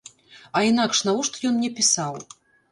А інакш навошта ён мне пісаў?